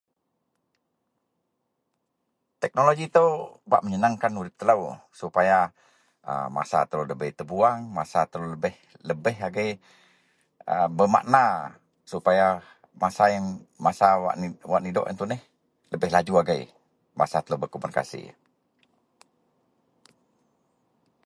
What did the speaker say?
Teknologi ito bak menyenang kan telo supaya masa telo debai terbuang masa lebih agie bermakna supaya masa wak nidok yian tuneh lebih laju agie.